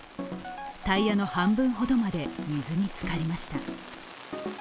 タイヤの半分ほどまで水につかりました。